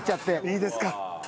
いいですか？